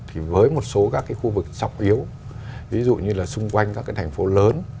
thì với một số các cái khu vực sọc yếu ví dụ như là xung quanh các cái thành phố lớn